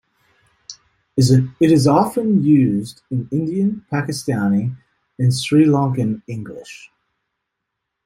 It is often used in Indian, Pakistani, and Sri Lankan English.